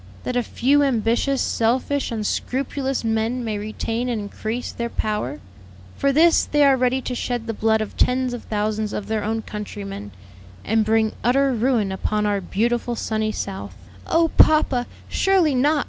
That a few ambitious, selfish, unscrupulous men may retain and increase their power; for this they are ready to shed the blood of tens of thousands of their own countrymen, and bring utter ruin upon our beautiful, sunny South." "Oh, papa, surely not!"